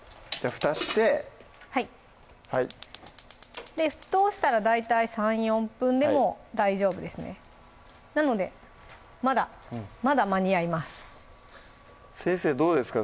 ふたしてはい沸騰したら大体３４分でもう大丈夫ですねなのでまだまだ間に合います先生どうですか？